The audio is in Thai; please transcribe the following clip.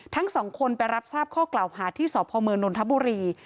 ทั้งสองคนไปรับทราบข้อกล่าวหาที่สพมนนทบุรี